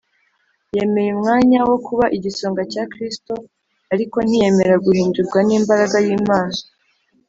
yemeye umwanya wo kuba igisonga cya kristo, ariko ntiyemera guhindurwa n’imbaraga y’imana